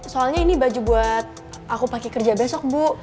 soalnya ini baju buat aku pagi kerja besok bu